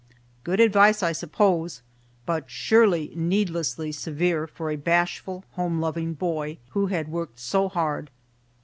Good advice, I suppose, but surely needlessly severe for a bashful, home loving boy who had worked so hard.